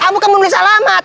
maka menulis alamat